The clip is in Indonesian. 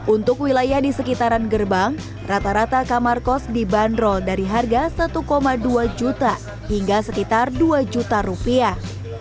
untuk wilayah di sekitaran gerbang rata rata kamar kos dibanderol dari harga satu dua juta hingga sekitar dua juta rupiah